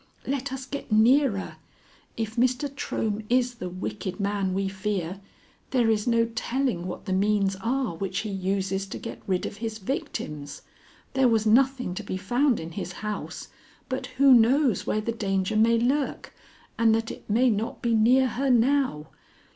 "Let us get nearer. If Mr. Trohm is the wicked man we fear, there is no telling what the means are which he uses to get rid of his victims. There was nothing to be found in his house, but who knows where the danger may lurk, and that it may not be near her now?